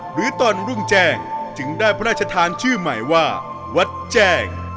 หรือตอนรุ่งแจ้งจึงได้พระราชทานชื่อใหม่ว่าวัดแจ้ง